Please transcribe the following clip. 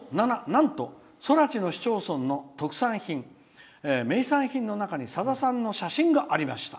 すると、なななんと空知の市町村の特産品、名産品の中にさださんの写真がありました」。